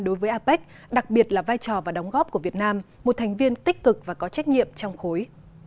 đối với apec đặc biệt là vai trò và đóng góp của việt nam một thành viên tích cực và có trách nhiệm trong khối